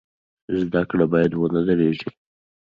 زده کړه باید ونه دریږي.